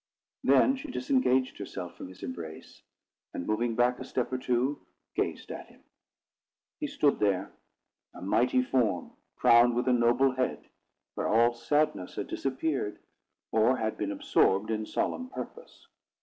Then she disengaged herself from his embrace, and, moving back a step or two, gazed at him. He stood there a mighty form, crowned with a noble head, where all sadness had disappeared, or had been absorbed in solemn purpose.